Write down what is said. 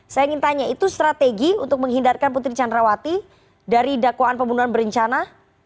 saya ingin tanya itu strategi untuk menghindarkan putri candrawati dari dakwaan pembunuhan berencana